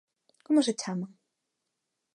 ¿Como se chaman?